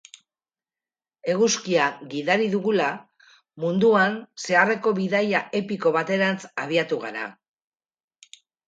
Eguzkia gidari dugula, munduan zeharreko bidaia epiko baterantz abiatu gara.